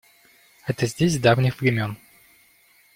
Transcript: Это здесь с давних времён.